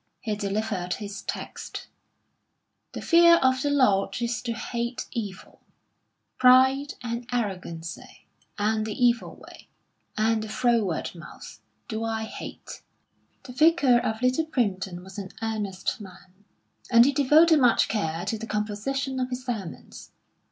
He delivered his text: "The fear of the Lord is to hate evil: pride, and arrogancy, and the evil way, and the froward mouth, do I hate." The Vicar of Little Primpton was an earnest man, and he devoted much care to the composition of his sermons.